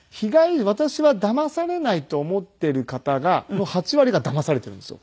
私はだまされないと思っている方の８割がだまされているんですよ。